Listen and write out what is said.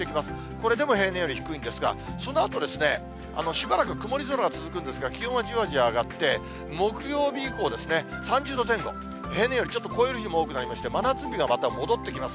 これでも平年より低いんですが、そのあと、しばらく曇り空が続くんですが、気温はじわじわ上がって、木曜日以降ですね、３０度前後、平年よりちょっと超える日も多くなりまして、真夏日がまた戻ってきます。